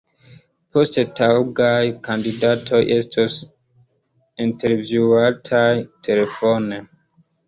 Poste taŭgaj kandidatoj estos intervjuataj telefone.